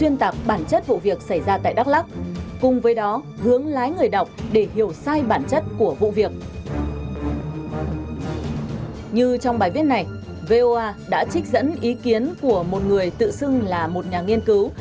như trong bài viết này voa đã trích dẫn ý kiến của một người tự xưng là một nhà nghiên cứu